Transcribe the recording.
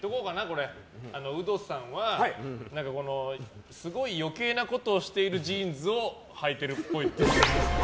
ウドさんはすごい余計なことをしているジーンズをはいているっぽい。